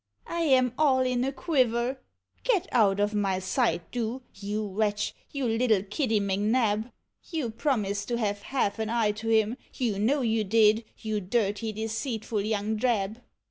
I am all in a quiver — get out of my sight, do, you wretch, vou little Kittv M'Xab! You promised to have half an eye to him, you know you did, you dirty deceitful young drab.